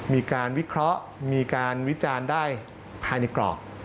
มีการวิเคราะห์มีการวิจารณ์ได้ภายในกรอบ